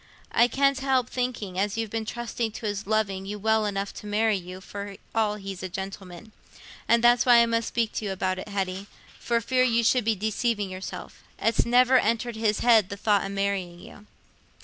I can't help thinking as you've been trusting to his loving you well enough to marry you, for all he's a gentleman. And that's why I must speak to you about it, Hetty, for fear you should be deceiving yourself. It's never entered his head the thought o' marrying you."